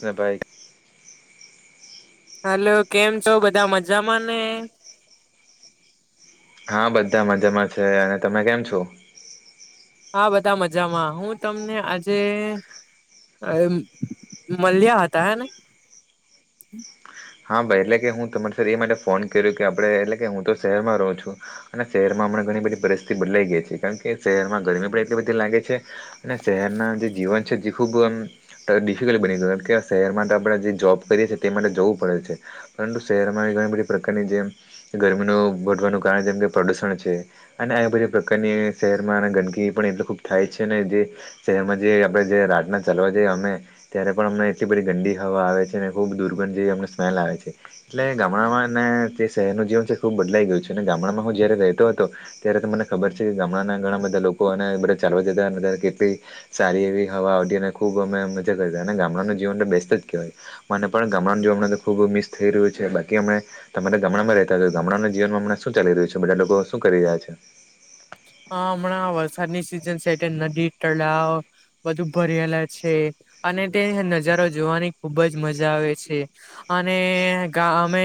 જે bike hello કેમ છો બધા મજામાં ને. હા બધા મજામાં છે અને તમે કેમ છો. હા બધા મજામાં હું તમને આજે. હરે મલ્યા હતા હે ને. હા ભાઈ એટલે કે હું તમારી એ માટે ફોન કર્યો કે આપડે એટલે કે હું તો શહેરમાં રહું છું અને શહેરમાં હમણા ઘણી બધી પરિસ્થિતિ બદલાઈ ગઈ છી કારણ કે શહેરમાં ગરમી પણ એટલી બધી લાગે છે અને શહેરના જે જીવન છે જે ખૂબ ડિફિકલ્ટ બની ગયું કારણ કે શહેર માટે આપણે જે જોબ કરીએ છીએ તે માટે જવું પડે છે પરંતુ શહેરમાં ઘણી બધી પ્રકારની જેમ ગરમીનું ઘટવાનું કારણ જેમ કે પ્રદુષણ છે અને આ બધી પ્રકારની શહેરમાં ગંદકી પણ એટલ ખુબ થાય છે ને જે શહેરમાં જે આપણે જે રાતના ચાલવા જઈએ અમે ત્યારે પણ અમને એટલી બધી ગડી હવા આવે છે અનેને ખૂબ દુર્ગંધ જેવી અમને મહેલ આવે છે એટલે ગામડામાં ને જે શહેરનું જીવન છે ખૂબ બદલાઈ ગયું છે અને ગામડામાં હું જ્યારે રહેતો તો ત્યારે ત મને ખબર છે કે ગામડાના ઘણા બધા લોકો અને બધા ચાલવા જતા કેટલી સારી એવી તે હવા તેને ખુબ અમે મજા કરી અને ગામડાનું જીવન તો બેસ્ટ જ કહેવાય મને પણ ગામડાનું જી ખૂબ મિસ થઈ રહ્યું છે બાકી હમણા તમારા ગામડામાં રે તા હતા તો ગામડાના જીવનમાં હમણા શું ચાલી રહ્યું છે બધા લોકો શું રી જાય છે. હા હમણાં વરસાદની સિઝન છે એલે નદી તળાવ બધુ ભરેલા છે. અને તે નજારો જોવાની ખુબ જ મજા આવે છે અને ગા અમે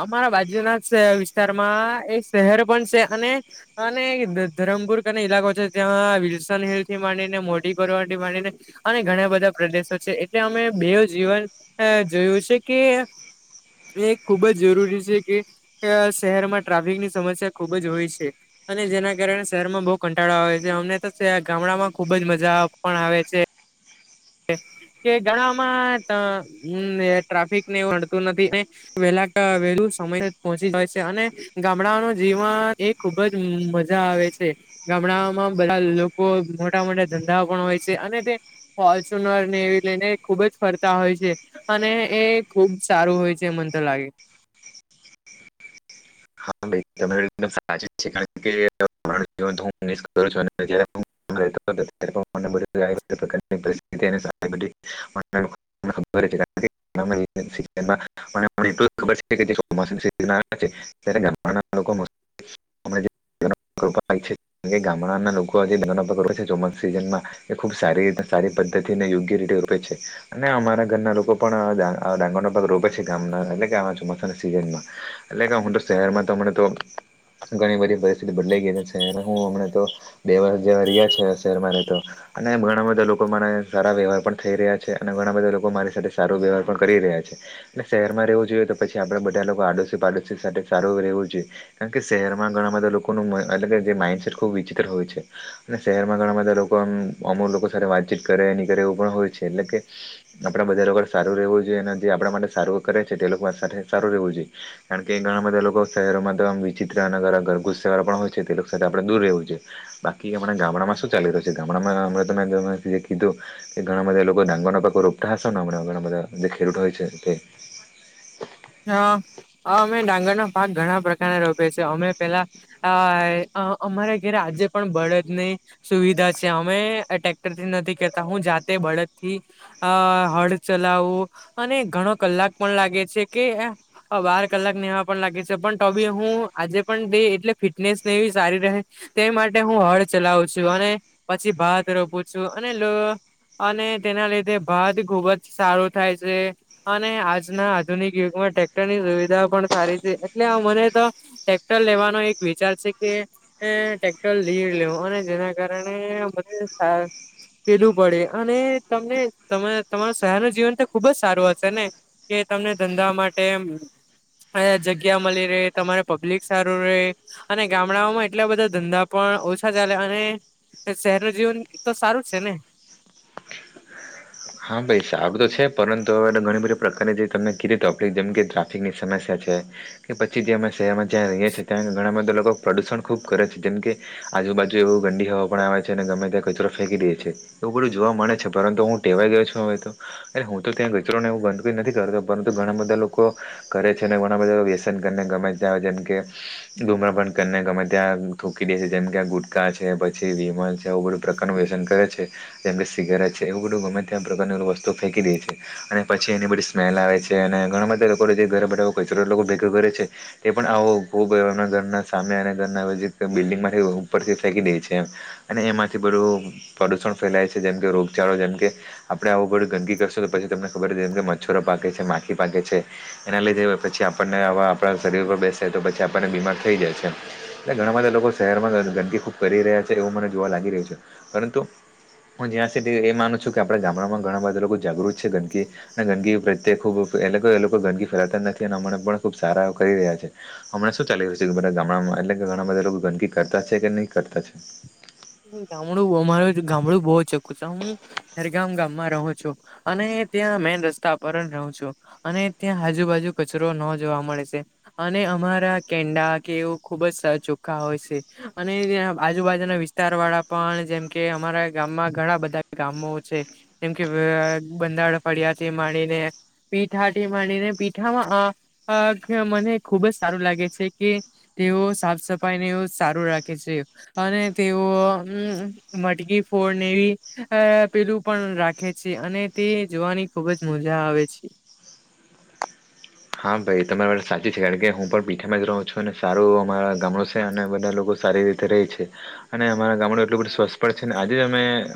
અમારા બાજુના વિસ્તારમાં એક શહેર પણ છે અને અને ધરમપુર કને ઈલાકો છે ત્યાં વિલસન હિલ થી માંડીને મોડી પરવા થી માંડીને અને ઘણા બધા પ્રદેશો છે. એટલે અમે બેવ જીવન જોયું છે કે એ ખુબ જ જરૂરી છે કે શહેરમા ટ્રાફિકની સમસ્યા ખુબ જ હોય છે. અને જેના કારણે શહેરમાં બહુ કંટાળો આવે છે. અમને તો ગામડામા ખુબ જ મજા પણ આવે છે. એ. કે ઘણામાં ટ અન ટ્રાફિક ને એવુ નડતુ નથી ને વહેલા ક વેલુ સમયસર જ પહોંચી જવાય છે અને ગામડાઓ નુ જીવન એ ખુબ જ મજા આવે છે. ગામડામા બધા લોકો મોટા મોટા ધંધા પણ હોય છે અને તે ફોર્ચ્યુનર ને એવી લઈને ખુબ જ ફરતા હોય છે અને એ ખુબ સારું હોય છે મન લાગે. હા ભાઈ તમારી વાત એકદમ સાચી છે. કારણ કે [inaudible] તો [inaudible] એટલે હું [inaudible] કે એને [inaudible] [inaudible] એટલું ખબર છે કે તે [inaudible] ઘણા લોકો [inaudible] કારણ કે ગામડાના લોકો આ જે પક છે ચોમાસા સીઝનમાં એ ખુબ સારી સારી પદ્ધતિ ને યોગ્ય રીતે અને અમારા ઘરના લોકો પણ ડાંગરો પાક રોપે છે ગામના એટલે કે ચોમાસા સીસન મા એટલે કે હું તો શહેરમા મને તો ઘણી બધી પરિસ્થિતિ બદલાઈ ગઈ છે. હું હમણા તો બે વરષ જેવા રિયા છે શહેરમાં તો. અને ઘણા બધા લોકો મને સારા વ્યવહાર પણ થઈ રહ્યા છે અને ઘણા બધા લોકો મારી સાથે સારો વ્યવહાર પણ કરી રહ્યા શહેરમાં રહેવું જોઈએ તો પછી આપડે બધા લોકો આડોશી પાડોશી સાથે સારું રહેવું જોઈએ. કેમકે શહેરમા ઘણા બધા લોકોનુ આ એટલે કે જે માઈન્ડસેટ ખૂબ વિચિત્ર હોય છે અને શહેરમાં ગણા બધા લોકો અમુક લોકો સાથે વાતચીત કરે ની કતે એવું પણ હોય છે. એટલે કે આપણા બધા લોકો સારું રહેવું જોઈએ અને જે આપણા માટે સારું કરે છે તે લોકો સાથે સારું રહેવું જોઈએ. કારણ કે ઘણા બધા લોકો શહેરોમાં તો આમ વિચિત્ર ઘણા ગુસ્સે વાળા પણ હોય છે તે લોકો સાથે આપણે દૂર રહેવું જોઈએ. બાકી આપણા ગામડામા શું ચાલી રહ્યું છે ગામડામા હમણાં તો મે કીધું કે ઘણાબધા લોકો ડાંગર ના પાકો રોપતા હસો ને હવ જે બધા ખેડૂતો હોય છે તે. હા. અહ અમે ડાંગર ના પાક ઘણા પ્રકારના રોપે છીએ. અમે પેલા અહ અમારે ઘરે આજે પણ બળદ ની સુવિધા છે અમે ટ્રેક્ટરથી નથી કેતા હું જાતે બળદ થી અ હડ ચલાવવું અને ઘણો કલાક પણ લાગે છે. કે બાર કલાક નેવા પણ લાગે છે પણ તો બી હું આજે પણે એટલે ફિટનેસને ઈ સારી રહે તે માટે હું હળ ચલાવું છું અને પછી ભાત રોપું છું અને અને તેના લીધે ભાત ખુબ જ સારું થાય છે અને આજના આધુનિક યુગમાં ટ્રેક્ટર ની સુવિધા પણ સારી છે. એટલે મને તો ટ્રેક્ટર લેવાનો એક વિચાર છે. કે એ ટેક્ટર લેઇ લેવ અને જેના કારણે મને કીધું પડે અને તમને તમા તમાર સહર નું જીવન તો ખુબ જ સારું હશે ને કે તમને ધંધા માટે અ જગ્યા મલી રે તમારે પબ્લિક સારું રે અને ગામડાઓમાં એટલા બધા ધંધા પણ પણ ઓછા ચાલે અને શહેર નુ જીવન તો સારું છે ને? [inaudible] હા ભાઈ સારુ તો છે પરંતુ હવે ઘણી બધી પ્રકારની જે તમે કીધી તફલીક જેમ કે ટ્રાફિકની સમસ્યા છ કે પછી જે અમે શહેરમાં જ્યાં રહીએ છીએ ત્યાં ઘણા બધા લોક કો પ્રદૂષણ ખૂબ કરે છે. જેમ કે આજુબાજુ એવું ગંડી હવા પણ આવે છે અને ગમે ત્યાં કચરો ફેંકી દે છે. એવું બધું જોવા મળે છે. પરંતુ હું ટેવાઈ ગયો છું હવે તો, એટલે હું તો ત્યાં કચરોને એવું ગંદકી નથી કરતો પરંતુ ઘણા બધા લોકો કરે છે ઘણા બધા વ્યસન કરીને ગમે ત્યાં જેમ કે ડુમરાપણ કરીને ગમે ત્યાં થૂકી દે જેમ કે કે ગુટકા છે, પછી વિમલ છે, આવુ બધું પ્રકારનું વ્યસન કરે છે, જેમકે સિગરેટ છે એવું બધું ગમે ત્યા આ પ્રકારની વસ્તુ ફેંકી દે છે અને પછી એની બધી સ્મેલ આવે છે અને ઘણા બધા લોકો [unintelligible] બધો કચરો લોકો ભેગો કરે છે તે પણ આવો બો લોકોના ઘરના સામે અને ઘર નજીક બિલ્ડીંગ માંથી ઉપરથી ફેકી દે છે એમ અને એમાંથી બધુ પ્રદુષણ ફેલાય છે, જેમકે રોગચાળો જેમ કે આપણે આવું બધું ગંદકી કરશું તો પછી તમને ખબર એમ કે મચ્છરો પાકે છે, માખી પાકે છે, એના લીધે [unintelligible] પછી આપણને આવા આપણા શરીર પર બેસે તો પછી આપણને બીમાર થઈ જાય છે એટલે ઘણા બધા લોકો શહેરમાં માં ગંદકી ખુબ કરી રહ્યા છે, એવું મને જોવા લાગી રહ્યું છે, પરંતુ હું જ્યાં સુધી એ માનું છું કે આપડે ગામડામાં ઘણા બધા લોકો જાગૃત છે, ગંદકી અને ગંદકી પ્રત્યે ખૂબ એ લોકો એ લોકો ગંદકી ફેલાવતા નથી એના માટે પણ ખબ સારા એવુ કરી રહ્યા છે. હમણા શું ચાલી રહ્યું છે, કે બધા ગામડામાં એટલે કે ઘણા બધા ગંદકી કર કરતા છે કે નહી કરતા છે? ગામડું, અમારુ ગામડું બો ચોખ્ખું છે. હું ખેરગામ ગામ માં રહું છુ અને ત્યાં મેન રસ્તા પરજ રહું છું અને ત્યાં આજુબાજુ કચરો ન જોવા મળે છે અને અમારા કેંડા કે એવુ ખુબજ ચોખ્ખા હોય છે અને ત્યાં આજુબાજુના વીસ વિસ્તાર વાળા પણ જેમકે અમારા ગામમાં ઘણા બધા ગામો છે જેમકે [unintelligible] પડ્યાથી માણીને પીઠાટી માંડીને પીઠામાં અહ મને અહ ખુબજ સારું લાગે છે કે તેઓ સાફ સફાઈ ને એવું સારું રાખે છે અને તેઓ મટકી ફોડને એવી અહ પેલું પણ રાખે છે અને તે જોવાની ખુબજ મજા આવે છે. હા ભાઈ તમારી વાત સાચી છે, કારણકે હું પણ પીઠામાં જ રહું છું અને સારું અમારા ગામડુ છે અને બધા લોકો સારી રીતે રહી છે અને અમારા ગામડું એટલું બધું સ્વસ્થ પણ છે ને આજે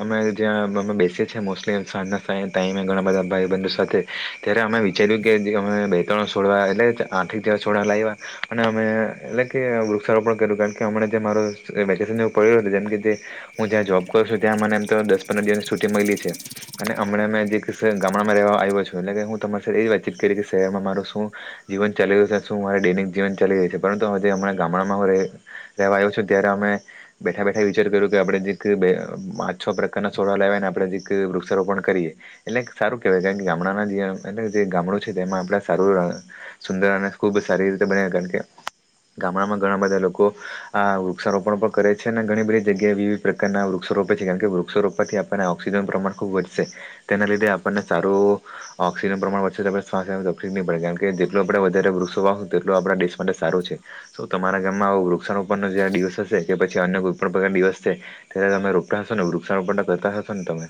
અમે જ્યાં અમે બેસી મોસલી [inaudible] ટાઈમે ઘણા બધા ભાઈ બંધુ સાથે ત્યારે અમે વિચાર્યું કે અમે તણ છોડવા એટલે આર્થિક દવા છોડવા લાવવા અને અમે એટલે કે વૃક્ષારોપણ કર્યું કારણ કે અમને જેમ મારું પયડુ જેમ કે હું જ્યાં જોબ કરું ત્યાં મનેમ તો દસ પંદર દિવસ છુટી મળી છે. અને હમને મે ગામડામાંવા આવ્યો છું એટલે હું તમારી એ વાતચીત કરી કે શહેરમાં મારૂ શું જીવન ચાલી રહ્યું છે, શું મા દૈનિક જીવન ચાલી રહ્યું છે. પરંતુ હરા ગામડામાંવા હોય પછી ત્યારે અમે બેઠા બેઠા વિચાર કર્યું કે આપણે જે પાચ છ પ્રકારના સોડા લેવાને આપણે વૃક્ષારોપણ કરીએ એટલે સારું કેહેવાય કાર કે ગામડાના જે જે ગામડું છે તેમાં આપણે. સારું સુંદર અને ખુબ સારી રીતે બને કારણ કે. ગામડામાં ઘણા બધા લોકો આ વૃક્ષારોપણ પણ કરે છે અને ઘણી બધી જગ્યાએ વિવિધ પ્રકારના વૃક્ષ. રોપે છે. કારણ કે વૃક્ષો રોપથી આપ ઓક્સિજન પ્રમાણ ખુબ વધશે તેના લીધે આપણને સારું [unintelligible] પ્રમાણ વધશે તો [unintelligible] પડે કારણ કે જેટલું આપણે વધારે વૃક્ષો વાહું તેટલો આપણા દેશ માટે સારો છે તો તમારા ગામમાં વૃક્ષ પણ જ્યાં દિવસો છે કે પછી અન ઈ પણ પ્રકાર દિવશે ત્યારે તમે રોપતા હોશ ને વૃક્ષારોપણ કરતા હશોને તમે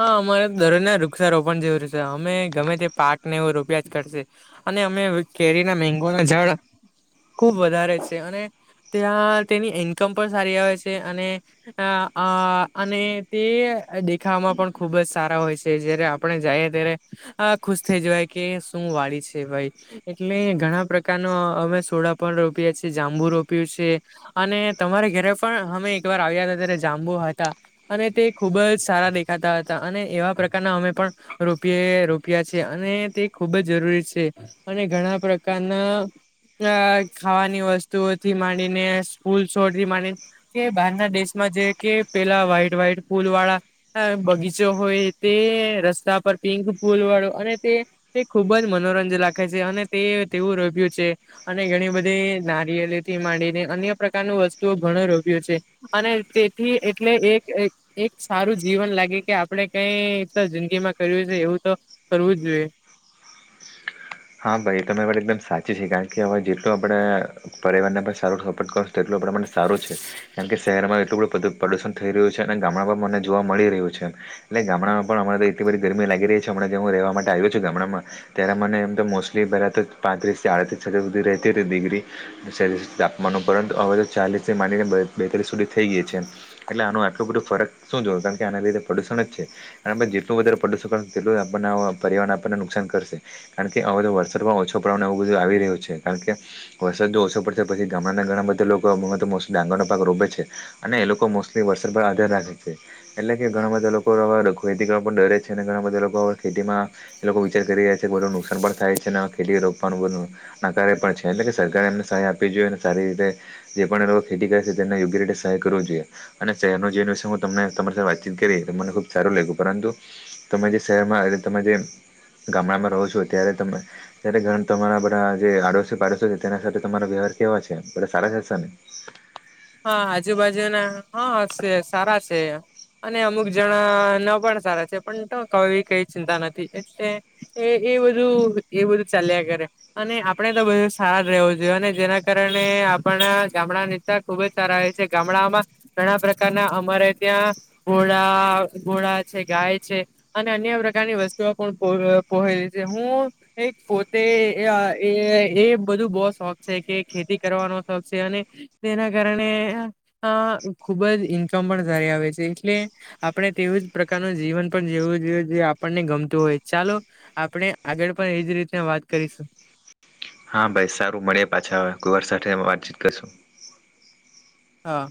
હા અમારે તો દરોજના વૃક્ષારોપણ જરૂરી છે અમે ગમે તે પાક ને એવ રોપિયા જ કરશે. અને અમે કેરી ના મેંગો ના ઝાડ ખુબ વધારે છે અને ત્યાં તેની ઇન્કમ પણ સારી આવે છે અને આ આ અને તે દેખાવામાં પણ ખુબ જ સારા હોય છે, જયારે આપણે જઈએ ત્યારે અ ખુશ થઈ જવાય કે શું વાળી છે. એટલે ઘણા પ્રકાર નો અમે સોડા પણ રોપીએ છીએ, જાંબુ રોપ્યું છે અને ને તમારે ઘરે પણ અમે એકવાર આવ્યા હતા ત્યારે જાંબુ હતા અને તે ખુબ જ સારા દે ખાતા હતા અને એવા પ્રકારના અમે પણ રોપીએ રોપિએ છેએ અને તે ખુબ જ જરૂરી છે. અને ઘણા પ્રકારના અ ખાવાની વસ્તુઓથી માંડીને સ્કૂલ છોડ માંડીને કે બહારના દેશમાં જે કે પેલા વ્હાઈટ વ્હાઈટ ફુલ વાળા બગીચો હોય તે રસ્તા પર પિંક પુલ વાળો અને તે તે ખુબ જ મનો. રાખે છે અને તે તેવું રોપ્યું છે અને ઘણી બધી નારિયેળ થી માંડીને અને. પ્રકાર વસ્તુઓ ઘણ રોપ્યો છે અને તેથી એટલે એક સારું. જીવન લાગે કે આપણે કઈ તો જિંદગી માં કર્યું છે એવું તો કરવું જ જોઈએ. [inaudible] હા ભાઈ તમારી વાત એકદમ સાચી છે કારણ કે હવે જેટલો આપણેે પરિવારને પણ સારો સપોર્ટ કરશુ તેટલો. પ્રમાણે સારું છે કારણ કે શહેરમાં એટલું બધું પ્રદૂષણ થઈ રહ્યું છે અને ગામડામાં મને જોવા મળી રહ્યું છે. એટલે ગામડામાં પણ અ તો એટલી બધી ગરમી લાગી રહી છેમ હું રહેવા માટે આવ્યો છું ગામડામાં ત્યારે મને. તો મોસ્ટલી પહેલા તો પાંત્રીસથી આડત્રીસ હ સુધી રહેતી ડિગ્રી સેલ્સિયસ તાપમાન ઉપ પરંતુ અવ્ય. ચાલીસ માનીને બેત્રીસ સુધી થઈ ગય છે એટલે આનું આટલું બધું ફરક શું જોય કાર કે આના લીધે પડ. છે જેટલું વધારે પ્રદુ તેટલું આપ પરવાર આપણને નુકસાન કરશે. કારણ કે હવે તો વરસાદમાં ઓછો પડવાનું એવું બધું આવી રહ્યું છે કારણ કે વરસાદ જો ઓછો પડશે પછી ગામણાંના ઘણાં બધા. લોકોલી ડાંગર ન પાક રોપે છે અને એ લોકો મોસ્ટલી વરસાદ પર આધાર રાખે છે એટલે કે. ઘણા બધા લોકોવા ખેતી કરવા પણ ડરે છે અને ઘણા બધા લોકો ખેતીમાં એ લોકો વિચાર કરી રહ્યા છે બલો નુ. સરબળ થાય છે અને ખેતી રોકવાનું બધું નાકારારે પણ છે એટલે કે સરકારે એમને સહાય આપવી જોઈએ અને સારી રીતે. જે પણ લોકો ખેતી કરે છે તેને યોગ્ય રીતે સહાય કરવો જોઈએ અને શહેરનો જવન વિ હું તમને તમારી સાથે વાતચીત કરી. મને ખુબ સારું લાગ્યું પરંતુ તમે જે શહેરમાં એટલે તમે જે ગામડામાં રહો છો. ત્યારે ત ત્યારે તમારા બધા જે આડોશી પાડોશો છે તેના સાથે તમારા વ્યવહાર કેવા છે પ સારા. એ છે ન. હા આજુબાજુના હા છે સારા છે. અને અમુક જણા ન પણ સારા છે પણ તો ક કઈ ચિંતા નથી એટલે એ એ. બધું એ બધું ચાલ્યા કરે અને આપણેે તો બધો સાર રહેવો જોઈએ અને જેના કારણે. પણ ગામડા નેતા. ખુબ જ સારા હો છે ગામડામાં ઘણા પ્રકારના અમારે ત્યાં ઘોળ ઘોળ. ગાય છે અને અન્ય પ્રકારની વસ્તુઓ પણ પલી છે હું એક પોતે. એ બધું બહ શોખ છે કે ખેતી કરવાનો શોખ છે અને. તેના કારણે ખુબ જ ઇન્કમ પણ સારી આવે છે એટલે આપણે તેવું જ. પ્રકારનું જીવન પણ જેવું જે આપણને ગમતું હોય ચાલો આપણે આગળ પણ એજ રીતના. વાત કરીશું. હા ભાઈ સારું મળે પાછા આવે કુવાર સાથે વાતચીત કરશું. હા.